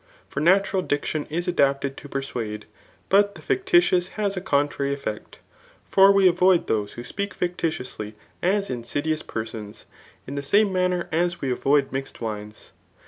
For natural diction is adapted to persuade ; but the fictitious has a contrary effect. For we avoid those who speak ficti* tiously as insidious persons, in the same manner as we avoid mixed wines.